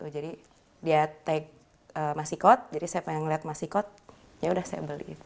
jadi dia tag masikot jadi saya pengen ngeliat masikot yaudah saya beli